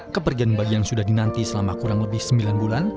kepergian bagi yang sudah dinanti selama kurang lebih sembilan bulan